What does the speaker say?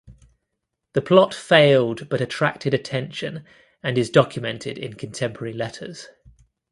The plot failed but attracted attention and is documented in contemporary letters.